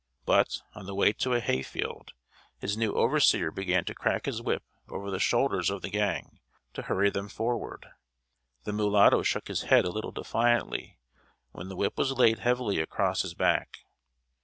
But, on the way to a hayfield, his new overseer began to crack his whip over the shoulders of the gang, to hurry them forward. The mulatto shook his head a little defiantly, when the whip was laid heavily across his back.